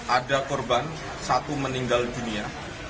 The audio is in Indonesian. ada korban satu meninggal dunia